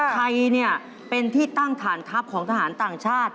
ใครเป็นที่ตั้งฐานทัพของทหารต่างชาติ